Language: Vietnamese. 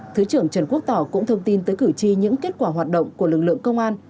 thứ trưởng trần quốc tỏ cũng thông tin tới cử tri những kết quả hoạt động của lực lượng công an